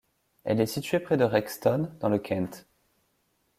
Elle est située près de Rexton, dans le Kent.